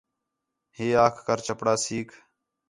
ہے آکھ کر چپڑاسیک